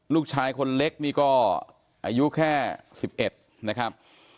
ลูกชายคนเล็กนี่ก็อายุแค่๑๑นะครับ